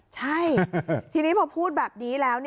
ใช่ทีนี้พอพูดแบบนี้แล้ว